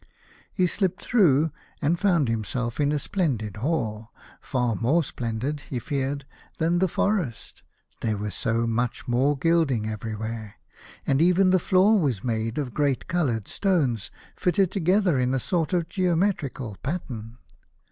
He slipped through, and found himself in a splendid hall, far more splendid, he feared, than the forest, there was so much more gild ing everywhere, and even the floor was made of great coloured stones, fitted together into a sort of geometrical pattern.